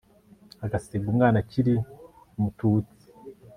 agasiga umwana akiri mututsi